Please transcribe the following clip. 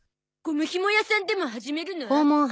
ゴムひも屋さんでも始めるの？